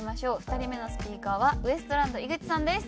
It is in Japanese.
２人目のスピーカーはウエストランド井口さんです。